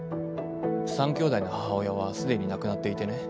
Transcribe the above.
３兄弟の母親はすでに亡くなっていてね